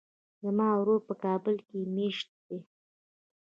زما ورور په کابل کې ميشت ده.